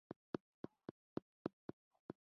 وارخطا عسکر په منډه راغی او ټوپک یې را ونیاوه